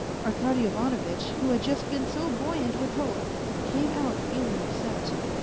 Arkady Ivanovitch, who had just been so buoyant with hope, came out feeling upset.